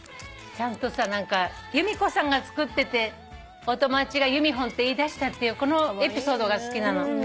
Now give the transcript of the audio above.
ちゃんとさ由美子さんが作っててお友達がユミフォンって言い出したっていうこのエピソードが好きなの。